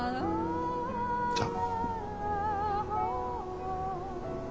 じゃあ。